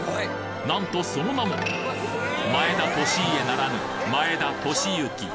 なんとその名も前田利家ならぬ前田利之。